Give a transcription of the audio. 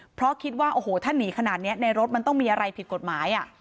เพราะคิดว่าโอ้โหถ้าหนีขนาดนี้ในรถมันต้องมีอะไรผิดกฎหมาย